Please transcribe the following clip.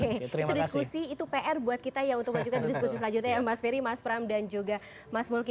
oke itu diskusi itu pr buat kita ya untuk melanjutkan diskusi selanjutnya ya mas ferry mas pram dan juga mas mulki